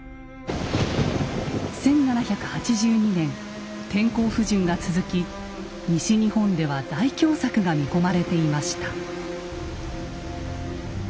１７８２年天候不順が続き西日本では大凶作が見込まれていました。